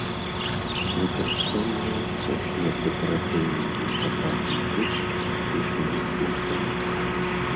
Выкарыстоўваецца, як дэкаратыўны лістападны куст з пышнымі кветкамі.